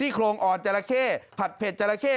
โครงอ่อนจราเข้ผัดเผ็ดจราเข้